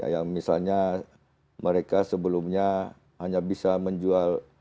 yang misalnya mereka sebelumnya hanya bisa menjual